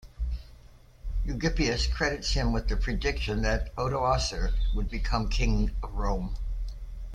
Eugippius credits him with the prediction that Odoacer would become king of Rome.